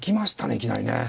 いきなりね。